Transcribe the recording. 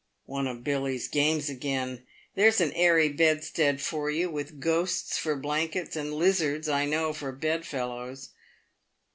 " One of Billy's games again. There's a airy bedstead for you, with ghosts for blankets, and lizards, I know, for bedfellows."